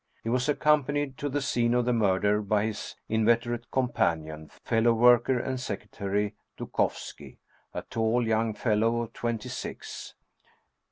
He was accompanied to the scene of the murder by his inveterate companion, fellow worker, and secretary, Dukovski, a tall young fellow of twenty six.